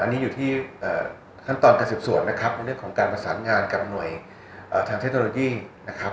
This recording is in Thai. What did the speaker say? อันนี้อยู่ที่ขั้นตอนการสืบสวนนะครับในเรื่องของการประสานงานกับหน่วยทางเทคโนโลยีนะครับ